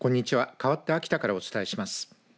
かわって秋田からお伝えします。